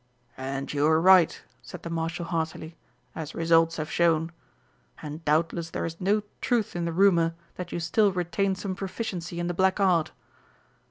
"And you were right," said the Marshal heartily, "as results have shown. And doubtless there is no truth in the rumour that you still retain some proficiency in the Black Art."